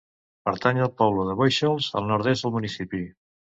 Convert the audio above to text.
Pertany al poble de Bóixols, al nord-est del municipi.